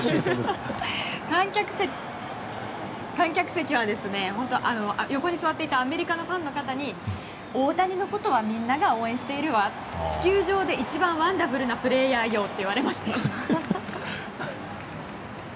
観客席は、横に座っていたアメリカのファンの方に大谷のことはみんなが応援しているわ地球上で一番ワンダフルなプレーヤーよと言われました。